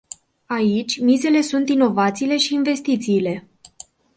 Aici, mizele sunt inovațiile și investițiile.